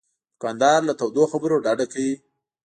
دوکاندار له تودو خبرو ډډه کوي.